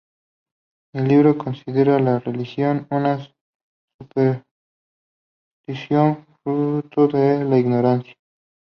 El libro considera la religión una superstición fruto de la ignorancia.